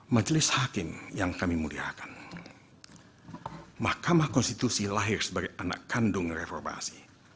majelis hakim yang kami muliakan mahkamah konstitusi lahir sebagai anak kandung reformasi